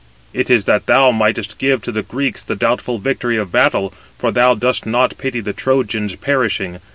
It is that thou mightst give to the Greeks the doubtful victory of battle, for thou dost not pity the Trojans perishing.